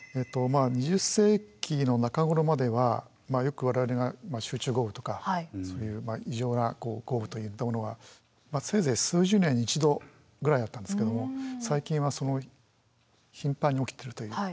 ２０世紀の中頃まではよく我々が集中豪雨とかそういう異常な豪雨といったものがせいぜい数十年に１度ぐらいだったんですけども最近は頻繁に起きてるという。